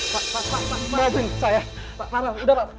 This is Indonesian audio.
pak pak pak